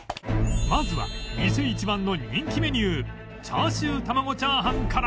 まずは店一番の人気メニューチャーシューたまご炒飯から